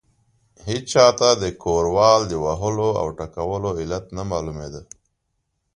هېچا ته د ګوروان د وهلو او ټکولو علت نه معلومېده.